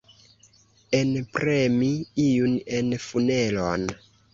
Enpremi iun en funelon.